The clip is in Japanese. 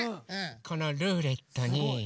このルーレットに。